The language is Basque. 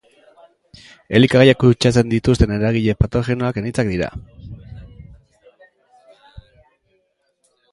Elikagaiak kutsatzen dituzten eragile patogenoak anitzak dira.